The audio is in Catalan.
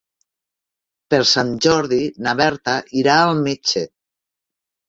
Per Sant Jordi na Berta irà al metge.